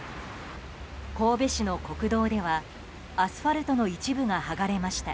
神戸市の国道ではアスファルトの一部が剥がれました。